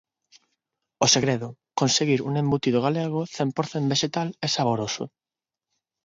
O segredo: conseguir un embutido galego cen por cen vexetal e saboroso.